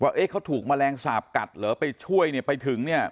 ว่าเขาถูกแมลงสาปกัดเหรอไปช่วยไปถึง